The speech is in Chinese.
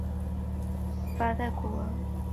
尚育是琉球国第二尚氏王朝的第十八代国王。